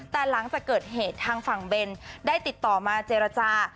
แต่หลังจากเกิดเหตุทางฝั่งเบนได้ติดต่อมาเจรจา